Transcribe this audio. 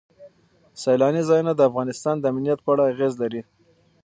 سیلاني ځایونه د افغانستان د امنیت په اړه اغېز لري.